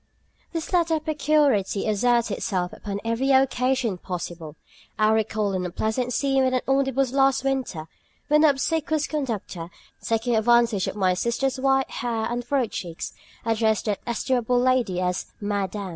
This latter peculiarity asserts itself upon every occasion possible. I recall an unpleasant scene in the omnibus last winter, when the obsequious conductor, taking advantage of my sister's white hair and furrowed cheeks, addressed that estimable lady as "Madam."